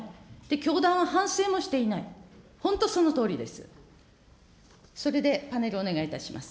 教団は反省もしていない、本当そのとおりです。